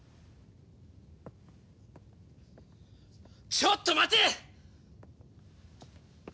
ちょっと待て！